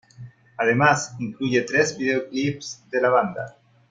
Además, incluye tres videoclips de la banda.